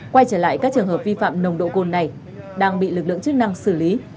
quay trở lại các trường hợp vi phạm nồng độ cồn này đang bị lực lượng chức năng xử lý